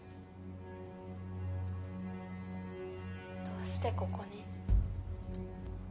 どうしてここに？